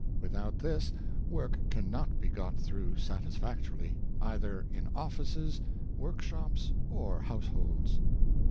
Without this, work can not be got through satisfactorily, either in offices, workshops, or households.